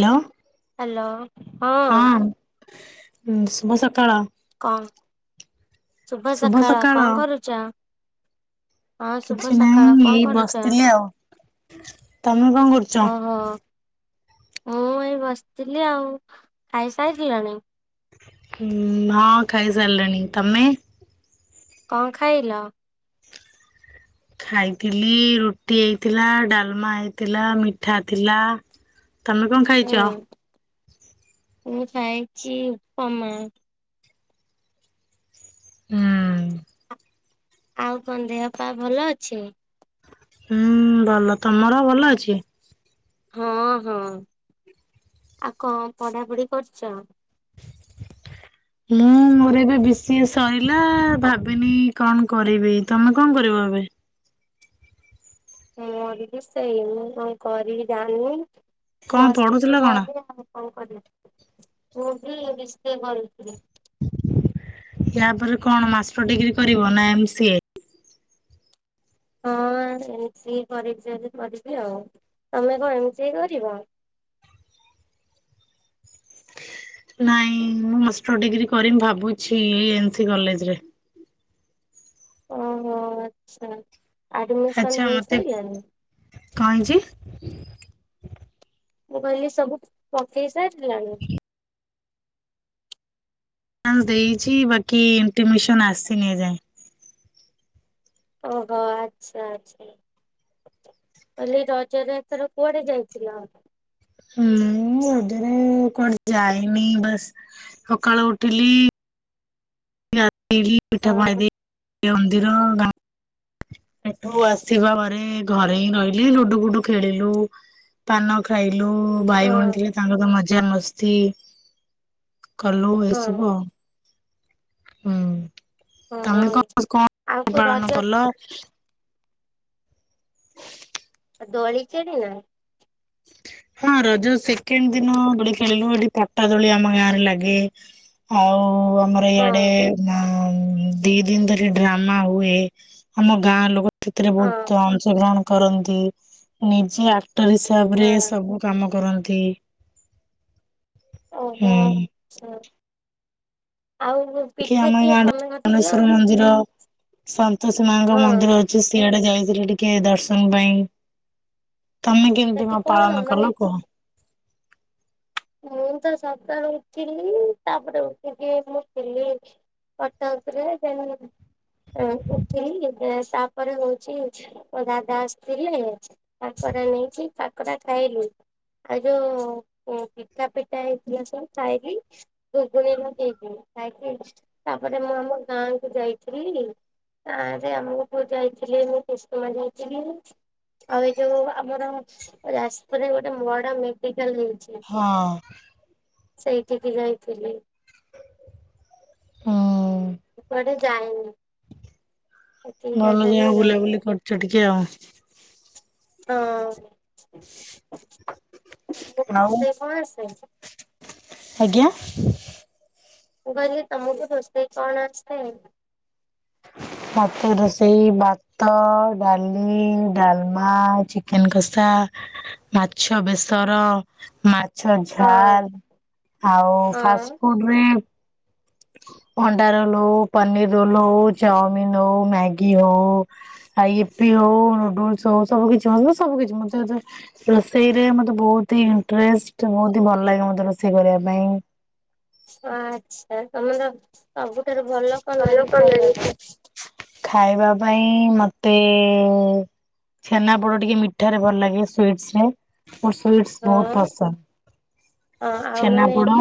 Hello hello ହଁ ହଁ ଶୁଭ ସକାଳ। କଣ ଶୁଭ ସକାଳ କଣ କରୁଛ। ହଁ ଶୁଭ କିଛି ସକାଳ ନାହିଁ କଣ ଏଇ କରୁଛ? ବସିଥିଲି ଆଉ ତମେ କଣ କରୁଛ। ଓହୋ ମୁଁ ଏଇ ବସିଥିଲି ଆଉ ଖାଇସାରିଲଣି? ହମ୍ ହଁ ଖାଇସାରିଲେଣି ତମେ? କଣ ଖାଇଲ? ଖାଇଥିଲି ରୁଟି ହେଇଥିଲା ଡ଼ାଲ୍‌ମା ହେଇଥିଲା ମିଠା ଥିଲା। ତମେ କଣ ହୁଁ ଖାଇଛ? ମୁଁ ଖାଇଛି ଉପମା। ହମ୍। ଆଉ କଣ ଦେହ ପା ଭଲ ଅଛି? ହମ୍ ଭଲ ତମର ଭଲ ଅଛି? ହଁ ହଁ ଆଉ କଣ ପଢାପଢି କରିଛ? ମୁଁ ମୋର ଏବେ ଵି ସି ଏ ସରିଲା ଭାବିନି କଣ କରିବି। ତମେ କଣ କରିବ ଏବେ? ମୋର ବି ସେଇ, ମୁଁ କଣ କରିବି ଯାଣିନି। କଣ ପଢୁଥିଲ ବସିଛି କଣ ଘରେ ଆଉ। କଣ କରିବା? ମୁ ବି ଵି ସି ଏ କରିଥିଲି। ୟା ପରେ କଣ ମାଷ୍ଟର ଡିଗ୍ରୀ କରିବ ନା ଏମ ସି ଏ? ହଁ ଏମ ସି ଏ କରିସାରିଲେ କରିବି ଆଉ, ତମେ କଣ ଏମ ସି ଏ କରିବ? ନାଇଁ ମୁଁ ମାଷ୍ଟର ଡିଗ୍ରୀ କରିମ ଭାବୁଛି ଏନ୍ ସି କଲେଜରେ। ଓହୋ ଆଚ୍ଛା। ଆଡ଼ମିସନ୍ ଆଚ୍ଛା ମତେ ହେଇସାଇଲାଣି? କଣ ଯେ? ମୁଁ କହିଲି ସବୁ ପକେଇ ସାରିଲଣି? ନା ଦେଇଛି ବାକି ଇଣ୍ଟିମିସନ ଆସିନି ଏଯାଏଁ। ଓହୋ ଆଚ୍ଛା ଆଚ୍ଛା। କହିଲି ରଜରେ ଏଥର କୁଆଡେ ଯାଇଥିଲ? ମୁଁ ରଜରେ କୁଆଡେ ଯାଇନି ବାସ୍ ସକାଳୁ ଉଠିଲି [unintelligible] ହଁ ସେଠୁ ଆସିବା ପରେ ଘରେ ହିଁ ରହିଲି ଲୁଡୁ ଫୁଡୁ ଖେଳିଲୁ। ପାନ ଖାଇଲୁ ଭାଇ ହଁ ଭଉଣୀ ଥିଲେ ତାଙ୍କ ସହିତ ମଜା ମସ୍ତି କଲୁ ଏ ହଁ ସବୁ ଆଉ। ହୁଁ ହଁ ତମେ ହଁ କଣ ଆଉ କଣ କୋଉ ପାଳନ ରଜ କଲ? ଦୋଳି ଖେଳି ନା? ହଁ ରଜ ସେକେଣ୍ଡ ଦିନ ଦୋଳି ଖେଳିଲୁ। ଏଠି ପଟା ଦୋଳି ଆମ ଗାଁରେ ଲାଗେ। ଆଉ ଆମ ହଁ ଇଆଡେ ଉଁ ଦି ଦିନ ଧରି ଡ୍ରାମା ହୁଏ। ଆମ ଗାଁ ଲୋକ ସେଥିରେ ହଁ ବହୁତ ଅଂଶଗ୍ରହଣ କରନ୍ତି। ନିଜେ ଆକ୍ଟର ହିସାବରେ ହଁ ସବୁ କାମ କରନ୍ତି। ହୁଁ। ଆଛା। ଆଉ ସବୁ ଏକି ଆମେ ଗାଁ ରେ [unintelligible] ମନ୍ଦିର ସନ୍ତୋଷି ମାଙ୍କ ହଁ ମନ୍ଦିର ଅଛି ସିଆଡେ ଯାଇଥିଲି ଟିକେ ଦର୍ଶନ ପାଇଁ। ତମେ କେମିତି ସେଠି କଣ ପାଳନ ମାନେ କଲ କୁହ? ମୁଁ ତ ସକାଳୁ ଉଠିଲି। ତାପରେ ଉଠିକି ମୁଁ ଥିଲି ଖଟ ଉପରେ ତେଣୁ ହେଁ ଉଠିଲି ଦେ ତାପରେ ହଉଛି ମୋ ଦାଦା ଆସିଥିଲେ। କାକରା ନେଇକି କାକରା ଖାଇଲୁ ଆଉ ଯୋଉ [unintelligible] [unintelligible] ପିଠା ହେଇଥିଲା ସବୁ ଖାଇକି [unintelligible] ତାପରେ ମୁଁ ଆମ ଗାଁକୁ ଯାଇଥିଲି। ଗାଁ ରେ ଆମ ପୁଅ ଯାଇଥିଲେ, ମୁଁ କୁସୁମା ଯାଇଥିଲି। ଆଉ ଏଇ ଯୋଉ ଆମର ଯାଜପୁର ରେ ଗୋଟେ ବଡ଼ ମେଡିକାଲ ହେଇଛି। ହଁ। ସେଇଠିିକି ଯାଇଥିଲି। ହୁଁ ମୁଁ କୁଆଡ଼େ ଯାଏନି। ଭଲ ଯା ଯାଇଛି ବୁଲାବୁଲି କରୁଛ ଟିକେ ଆଉ ଆଉ [unintelligible] ଆଜ୍ଞା ମୁଁ କହିଲି ତମକୁ ରୋଷେଇ କଣ ଆସେ? ଭାତ ରୋଷେଇ ଭାତ ଡାଲି ଡାଲମା ଚିକେନ୍ କଷା ମାଛ ବେସର ମା ଛ ହଁ ଝାଲ୍ ଆଉ ହଁ ଫାଷ୍ଟଫୁଡରେ ଅଣ୍ଡା ରୋଲ ହୁଉ ପନୀର ରୋଲ ହଉ ଚାଉମିିନ ହଉ ମ୍ୟାଗି ହଉ ଆପି ହଉ ନୁଡୁଲସ ହଉ ସବୁ କିଛି ହଉବୁ କିଛି ମ ରୋଷେଇରେ ମତେ ବହୁତ ହି ଇଣ୍ଟରେଷ୍ଟ ବହୁତ ହି ଭଲ ଲାଗେ ମତେ ରୋଷେଇ କରିବା ପାଇଁ ଆଚ୍ଛା ତମର ସବୁଠାରୁ ଭଲ କଣ ଲାଗେ ଖାଇବାକୁ ଖାଇବା ପାଇଁ ମତେ ଛେନା ପୋଡ ଟିକେ ମିଠା ରେ ଭଲ ଲାଗେ ସ୍ବିଟ ରେ ଓ ସ୍ଵିଟ୍ସ ବହୁତ ହଁ ପସନ୍ଦ ହଁ ଆଉ ମାନେ ଛେନାପୋଡ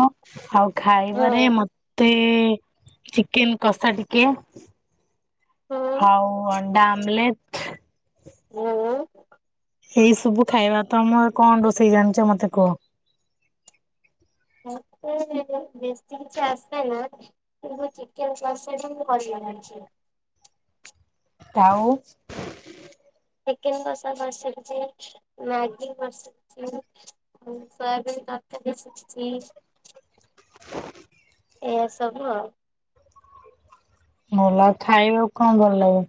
ଆଉ ହଁ ଖାଇବାରେ ମତେ ଚିକେନ କଷା ଟିକେ ହଁ ହଉ ଅଣ୍ଡା ଆମ୍ଲେଡ ହଁ ଏଇ ସବୁ ଖାଇବା ତମର କଣ ରୋଷେଇ ଜାଣିଛ ମତେ କୁହ ହ ବତି କିଛି ଆସ ନା ସେଇଟା ପୁରା ଚିକେନ [unintelligible] ଲାଗଛି ତାଉ ଚିକେନ କସ ବସ ସେ ମ୍ୟାଗି ବସ ଆଉ ସୋୟାବିନ ତକାର ବି ଶିଖିଛି ଏସବୁ ଆଉ ଭଲ ଖାଇବାକୁ କଣ ଭଲ ଲାଗେ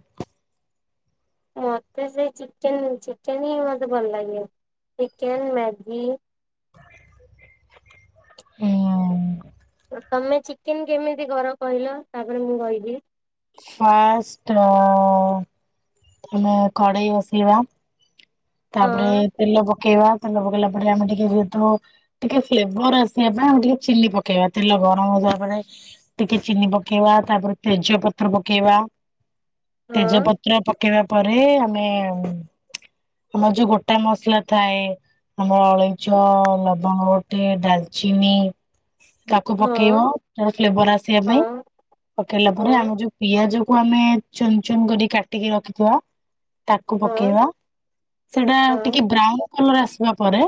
ମୋତେ ସେ ଚିକେନ ଚିକେନ ହିଁ ମୋତେ ଭଲ ଲାଗେ ଚିକେନ ମ୍ୟାଗି ହୁଁ ତମେ ଚିକେନ କେମିତି କର କହିଲ ତାପରେ ମୁଁ କହିବି ଫାଷ୍ଟ ଅ ତମେ କଡେଇ ବସିବା ତାପରେ ହଁ ତେଲ ପକେଇବା ତେଲ ପକେଇଲା ପରେ ଆମେ ଟିକେ ଯେହେତୁ ଟିକେ ଫ୍ଲେଭର ଆସିବା ପାଇଁ ଆଉ ଟିକେ ଚିଲି ପକେଇବା ତେଲ ଗରମ ହଉସ ପରେ ଟିକେ ଚିନି ପକେଇବା ତାପରେ ତେଜଆ ପତ୍ର ପକେଇବା ହଁ ତେଜପତ୍ର ପକେଇବା ପରେ ଆମେ ଆମର ଯୋଉ ଗୋଟା ମସଲା ଥାଏ ଆମର ଅଲେଇଚ ଲବଙ୍ଗ ଗୋଟେ ଡାଲଚିନି ତାକୁ ହଁ ପକେଇବ ତାର ଫ୍ଲେବର ଆସିବା ପାଇଁ ହଁ ପକେଇଲା ପରେ ଆମ ଯୋଉ ପିଆଜ କୁ ଆମେ ଚୁନ ଚୁନ କରି କାଟିକି ରଖିଥିବା ତାକୁ ହଁ ପକେଇବା ସେଟା ହଁ ଟିକେ ବ୍ରାଉନ କଲର ଆସିବା ପରେ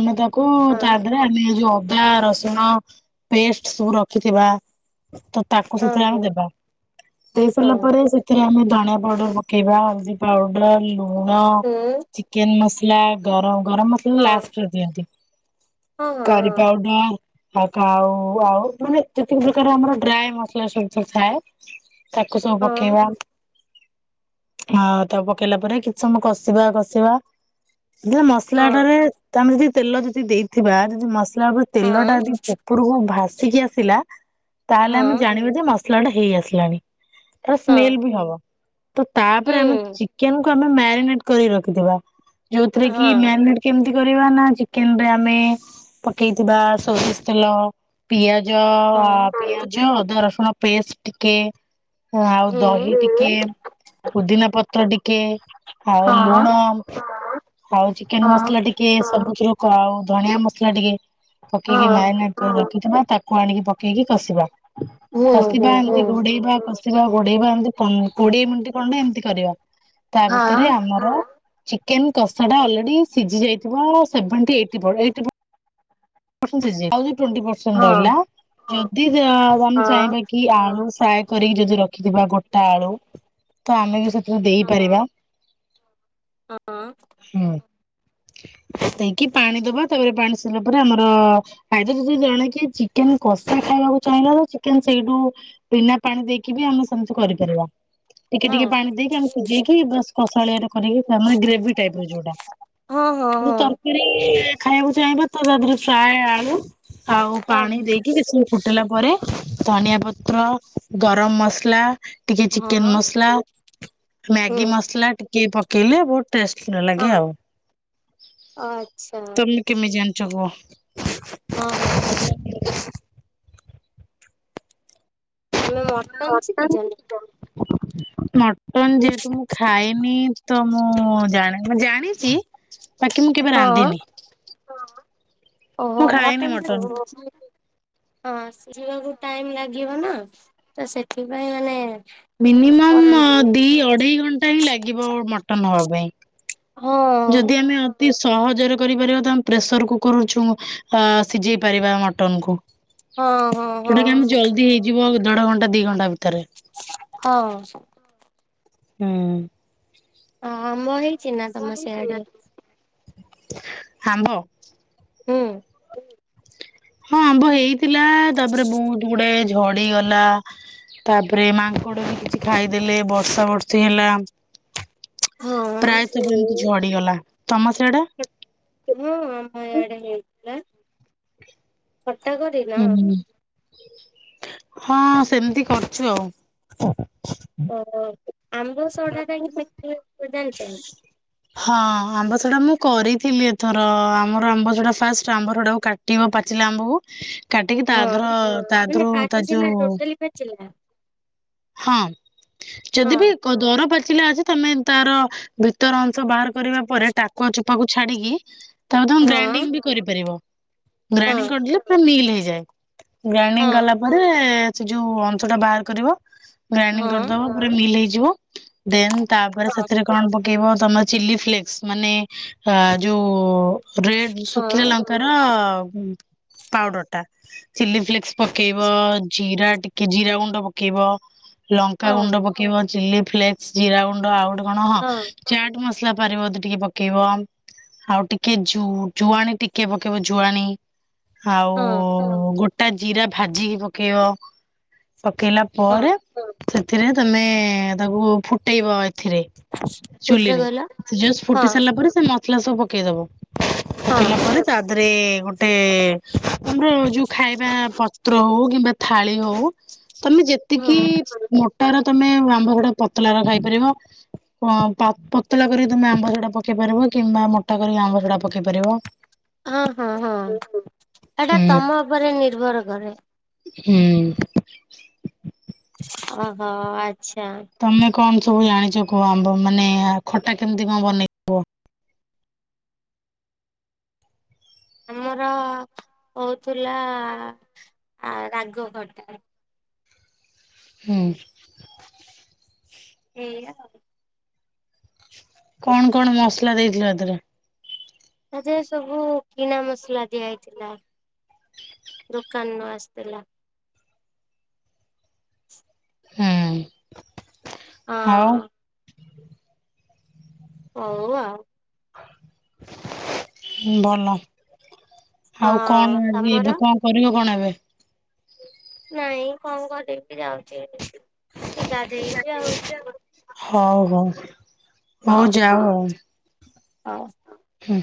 ଆମେ ତାକୁ ହଁ ତା ଦେହରେ ଆେ ଯୋଉ ଅଦା ରସୁଣ ପେଷ୍ଟ ସବୁ ରଖିଥିବା ତ ତାକୁ ହଁ ସେଥିରେ ଆମେ ହଁ ଦେବା ଦେଇ ସାରିଲା ହଁ ପରେ ସେ ଥିରେ ଆମେ ଧଣିଆ ପାଉଡର ପକେଇବା ହଳଦୀ ପାଉଡର ଲୁଣ ହଁ ହୁଁ ଚିକେନ ମସଲା ପ ଗରମ ଗରମ ମସଲା ଲାଷ୍ଟରେ ଦିଅନ୍ତି ହଁ ହଁ କରି ପାଉଡର୍। ଆଉ ତ ଆଉ ଆଉ ମାନେ ତେତିକି ପ୍ରକାର ଆମର ଡ୍ରାଏ ମସଲା ସବୁ [unintelligible] ଥାଏ। ତାକୁ ସବୁ ହଁ ହଁ ପକେଇବା ଆଉ ତାକୁ ପକେଇଲା ପରେ କି ଛମ କଷିବା କଷିବା ଯେ [unintelligible] ହଁ ମସଲାଟାରେ ତ ଆମେ ଯଦି ତେଲ ଯଦି ଦେଇଥିବା ଯଦି ମସଲା ଉପରେ ତେଲ ହଁ ଟା ଦି ପ ପୁରକୁ ଭାସିକି ଆସିଲା ତାହେଲେ ହଁ ଆମେ ହଁ ଜାଣିବା ଯେ ମସଲା ଟା ହେଇ ଆସଲାଣି। ତାଅ ହଁ ସ୍ମେଲ ବି ହବ ତ ତାପରେ ଆମେ ହୁଁ ଚିକେନ୍ କ ମ୍ୟାରିନେଟ୍ କରି ରଖିଥିବା ଯୋଉଥିରେ କି ହଁ ମ୍ୟାରନେଟ୍ କେମିତି କରିବା ନା ଚିକେନ୍ ରେ ଆମେ ପକେଇଥିବା ସୋରିଷି ତେଲ। ପିଆଜ ଆ ହଁ ପିଆଜ ଅଦା ରସୁଣ ପେଷ୍ଟ ଟିକେ। ଆଉ ଦହି ହୁଁ ଟିକେ ପୋଦିନା ପତ୍ର ଟିକେ। ଆଉ ହଁ ଲୁଣ ଆଉ ଚିକେନ୍ ହଁ ମସଲା ଟିକେ ସବୁଥିରୁ କଉ ଧଣିିଆ ମସଲା ଟିକେ। ପକେଇକି ହଁ ମ୍ୟାରେନେଟ୍ କରି ରଖିଥିବା ତାକୁ ଆଣିକି ପକେଇକି କଷିବା। ହୁଁ ହୁଁ କଷିବା ହୁଁ ଏମିତି ଘୋଡେଇବା କଷିବା ଘୋଡେଇବା ଏମିତି ପନ୍ କୋଡିଏ ମିନିଟି ଖଣ୍ଡେ ଏମିତି କରିବା। ତା ହଁ ଭିତରେ ଆମର ଚିକେନ କଷା ଟା ଅଲରେଡି ସିଜି ଯାଇଥିବ ସେଭଣ୍ଟି, ଏଇଟି ପର୍ ଏଇଟି ପ ପରସେଣ୍ଟ ସିଝି ଯାଇ ଆଉ [unintelligible] ଟୋଣ୍ଟି ପରସେଣ୍ଟ ରହିଲା ଯଦି ସେ ଆଉ ଆମେ ହଁ ଚାହିଁବା କି ଆଳୁ ସାଇ କରିକି ଯଦି ରଖିଥିବା ଗୋଟା ଆଳୁ ତ ଆମେ ବି ସେ ଥିରେ ହଁ ଦେଇପାରିବା। ହଁ ହୁଁ। ଦେଇକି ପାଣି ଦବା ତାପରେ ପାଣି ସରିଲା ପ ରେ ଆମର ପାଣ୍ [unintelligible] ଯଦି ଜଣେ କିଏ ଚିକେନ୍ କଷା ଖାଇବାକୁ ଚାହିଁଲା ତ ଚିକେନ ସେଇଟୁ ବିନା ପାଣି ଦେଇକି ବି ଆମେ ସେମିତି କରିପାରିବା। ଟିକେ ଟିକେ ହଁ ପାଣି ଦେଇକି ଆମେ ସିଜେଇକି ବାସ୍ କଷାଳିଆଟେ କରିକି ମାନେ ଗ୍ରେଭି ଟାଇପି ର ଯୋଉଟା। ହଁ ହଁ। ଯୋଉ ତରକାରୀ ଆଁ ଖାଇଆକୁ ଚାହିଁବା ତ ତା ଧିଅରେ ଫ୍ରାଏ ଆଳୁ ଆଉ ହଁ ପାଣି ଦେଇକି କିସି ଫୁଟିଲା ପରେ ଧନିଆ ପତ୍ର, ଗରମ ମସଲା ଟିକେ ହଁ ଚିକେନ ମସଲା, ମ୍ୟାଗି ହୁଁ ମସଲା ଟିକେ ପକେଇଲେ ବହୁ ଟେଷ୍ଟ ଲାଗେ ଆଉ। ଅଚ୍ଛା। ମେ କେମି ଜାନିଚ କୁଅ? ଅହ। [unintelligible] ମଟନ୍ ଶିଖିଚନ୍ତି? ଶିଖିଚ? ମଟନ ଯେହେତୁ ମୁଁ ଖାଏନି ତ ମୁଁ ଜାଣେ ଜାଣିଚ଼ି। ତାକି ମୁଁ କେବେ ରାନ୍ଧିନି। ଓହୋ ମୁଁ ଖାଏନି ମଟନ୍ ଟା ମଟନ ସିଝିଲେ [unintelligible] ହଁ ସିଝିବାକୁ ଟାଇମ୍ ଲାଗିବ ନା ତ ସେଥିପାଇଁ ମାନେ ମିନିମମ୍ କରନ୍ତିନି ଦି, ଅଢେଇ ଘଣ୍ଟା ହିଁ ଲାଗିବ ମଟନ୍ ହବା ପାଇଁ। ହଁ ଯଦି ଆମେ ଅ ତି ସହଜରେ କରିପାରିବା ତମେ ପ୍ରେସର କୁକର୍ ଛୁଙ୍କ ଆ ସିଝେଇ ପାରିବା ମଟନ୍ କୁ। ହଁ ହଁ ହଁ ଜଉଟା କି ଆମେ ଜଲ୍ଦି ହେଇଯିବ ଦେଢ ଘଣ୍ଟା, ଦି ଘଣ୍ଟା ଭିତରେ। ଅ ଅ। ଉୁଁ। ଆ, ଆମ୍ବ ହେଇଛି ନା ତମ ସେଆଡେ? ହାମ୍ବ। ଉୁଁ। ହଁ ଆମ୍ବ ହେଇଥିଲା ତାପରେ ବହୁତୁ ଗୁଡାଏ ଝଡିଗଲା। ତାପରେ ମାଙ୍କଡ ବି କିଛି ଖାଇଦେଲେ ବର୍ଷା ବର୍ଷି ହେଲା। ହଁ ପ୍ରାଏତ ବି ଏମିତି ଝଡିଗଲା ତମ ସିଆଡ଼େ? ହୁଁ ଆମ ଇଆଡେ ହେଇଥିଲା। ଥଟା କରି ହୁଁ ହୁଁ ସେମିତି କରୁଛୁ ଆଉ। ଓ ଆମ୍ବ ଶଢାଟା କେମିତି ହୁଅ ଜାଣିଛନ୍ତି? ହଁ ଆମ୍ବ ସଢା ମୁଁ କରିଥିଲି ଏଥର ଆମର ଆମ୍ବସଢା ଫାଷ୍ଟ ଆମ୍ବ ସଡା କା କାଟିିବ ପାଚିଲା ଆମ୍ବକୁ କାଟିକି ତା ହଁ ଦେର ତା ମାନେ ଦେରୁ ତା ପାଚିଲା ଯୋଉ ଟୋଟାଲି ପାଚିଲା ହଁ ଯଦି ହଁ। ବି ଦର ପାଚିଲା ଅଛି ତମେ ତାର ଭିତର ଅଂଶ ବାହାର କରିବା ପରେ ଟାକୁଆ ଚୋପା କୁ ଛାଡିକି ତାକୁ ତମେ ହଁ ଗ୍ରାଇଣ୍ଡିଙ୍ଗ ବି କରିପାରିବ। ଗ୍ରାଇଣ୍ଡିଙ୍ଗ ହଁ କରିଦେଲ ସେଟା ମିଲ ହେଇଯାଏ। ଗ୍ରାଇଣ୍ଡିଙ୍ଗ ହଁ କଲା ପରେ ସେ ଯୋଉ ଅଂଶ ଟା ବାହାର କରିବ ଗ୍ରାଇଣ୍ଡିଙ୍ଗ କରିଦବ ପୁର ମିଲ ହେଇଯିବ। ଦେନ ତାପରେ ସେଥିରେ କଣ ପକ୍ କି ୱ ତମ ଚିଲି ଫ୍ଲେକ୍ସ ମାନେ ଯୋ‌ ରେଡ୍ ଶୁଖିଲା ହଁ ଲଙ୍କା ତାର ପାଉଡର ଟା। ଚଲି ଫ୍ଲେକ୍ସ ପକେଇବ ଜିରା ଟିକ୍ କି ଜିରା ଗୁଣ୍ଡ ପକେଇବ? ଲଙ୍କା ହଁ ଗୁଣ୍ଡ ପକେଇବ, ଚିଲି ଫ୍ଲେକ୍ସ, ଜିରା ଗୁଣ୍ଡ ଆଉ ଗୋଟେ କଣ? ହଁ। ଚାଟ୍ ମସଲା ପାରିବତ ଟିକେ ପକେଇବ। ଆଉ ଟିକେ ଜୁ ଜୁଆଣି ଟିକେ ପକେଇବ ଜୁଆଣି। ଆଉ ଗୋଟା ଜିରା ଭାଜିକି ପକେଇବ। ପକେଇଲା ହଁ ପରେ ସେଥିରେ ତମେ ତାକୁ ଫୁଟେଇବ ଏଥିରେ କୋଉଥିରେ ଚୁଲିରେ କହିଲ ସେ ଜଷ୍ଟ ହଁ ଫୁଟି ସାରିଲା ପରେ ସେ ମସଲା ସବୁ ପକେଇଦବ। ହଁ। ପକେଇଲା ପରେ ତା ଦେହରେ ଗୋଟେ ଆମର ଯୋଉ ଖାଇବା ପତ୍ ତ୍ର ହଉ କିମ୍ବା ଥାଳି ହଉ ତମେ ଯେତିକି ହଁ ମୋଟାର ତମେ ଆମ୍ବ ଗୁଡା ପତଲ ର ଖାଇପାରିବ। କ ପତଳା କରିିକ ତମେ ଆମ୍ବ ସେଡା ପକେଇ ପାରିବ କିମ୍ବା ମୋଟା କରିକ ଆମ୍ବ ସେଡା ପକେଇ ପାରିବ। ହଁ, ହଁ, ହଁ ଏଟା ହୁଁ ତମ ଉପରେ ନିର୍ଭର କରେ। ହୁଁ। ଓହୋ, ଆଚ୍ଛା। ତମେ କଣ ସବୁ ଜାଣିଛ କୁହ? ଆମ୍ବ ମାନେ ଖଟା କେମିତି କଣ ବନେଇ ଆମର ହଉଥିଲା ଆଁ ରାଗ ଖଟା। ହୁଁ। ଏଇୟା କଣ କଣ ମସଲା ଦେଇଥିଲ ଏଥିରେ? ତା ଦେହ ସବୁ କିଣା ମସଲା ଦିଆ ହେଇଥିଲା। ଦୋକାନରୁୁ ଆସିଥିଲା। ହୁଁ। ହାଉ ହଁ ହଉ, ଆଉ। ଭଲ। ହଁ ଆଉ କଣ ଆଜି ତମର ଏବେ କଣ କରିବ କଣ ଏବେ? ନାଇଁ କଣ କରି ଯାଉଛି ଗାଧେଇ ବିି ଆଉ ହଉ ହଉ। ହଉ ଯାଉ ଆଉ ଆଉ ହୁଁ।